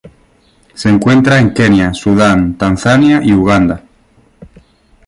Se encuentra en Kenia, Sudán, Tanzania y Uganda.